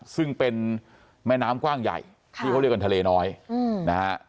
ซึ่งเป็นแม่น้ำกว้างใหญ่ที่เขาเรียกกันทะเลน้อยนะฮะ